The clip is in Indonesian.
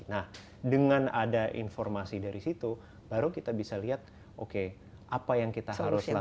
nah dengan ada informasi dari situ baru kita bisa lihat oke apa yang kita harus lakukan